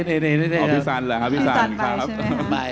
พี่สานหรอครับ